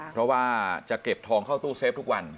เพราะว่าจะเก็บทองเข้าตู้เซฟทุกวัน